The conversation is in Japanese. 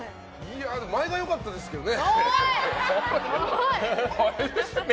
前が良かったですけどね。